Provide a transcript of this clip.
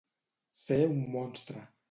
Ser un monstre.